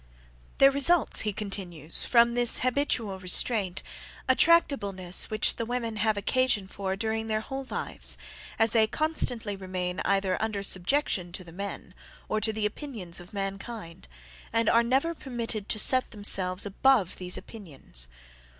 "There results," he continues, "from this habitual restraint, a tractableness which the women have occasion for during their whole lives, as they constantly remain either under subjection to the men, or to the opinions of mankind; and are never permitted to set themselves above those opinions.